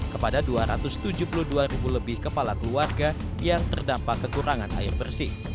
kepada dua ratus tujuh puluh dua ribu lebih kepala keluarga yang terdampak kekurangan air bersih